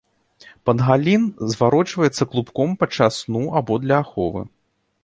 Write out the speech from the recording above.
Пангалін зварочваецца клубком падчас сну або для аховы.